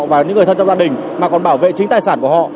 và những người thân trong gia đình mà còn bảo vệ chính tài sản của họ